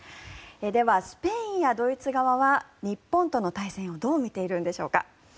では、スペインやドイツ側は日本との対戦をどう見ているんでしょうか。